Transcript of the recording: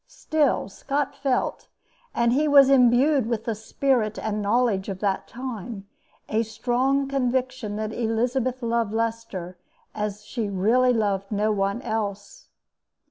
Still, Scott felt and he was imbued with the spirit and knowledge of that time a strong conviction that Elizabeth loved Leicester as she really loved no one else.